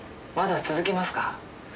まだ続きますか？